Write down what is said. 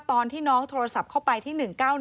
ตอนที่น้องโทรศัพท์เข้าไปที่๑๙๑